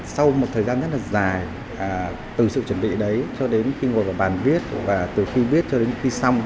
sau một thời gian rất là dài từ sự chuẩn bị đấy cho đến khi ngồi vào bàn viết và từ khi viết cho đến khi xong